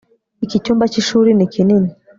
iki cyumba cy'ishuri ni kinini